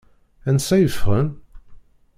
Ansa i ffɣen?